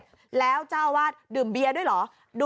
แลู้่รักของเจ้าหวาดดื่มเบียร์ด้วยหรอ